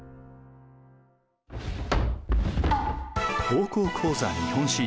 「高校講座日本史」。